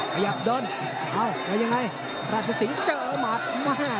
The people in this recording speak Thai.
ขยับเดินว่ายังไงราชสิงห์เจอหมาดมา